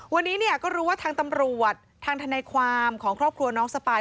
วันนี้เนี่ยก็รู้ว่าทางตำรวจทางทนายความของครอบครัวน้องสปาย